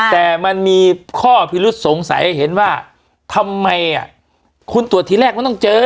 แต่มันมีข้อพิรุษสงสัยให้เห็นว่าทำไมคุณตรวจทีแรกมันต้องเจอ